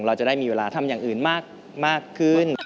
เราจะได้มีเวลาทำอย่างอื่นมากขึ้น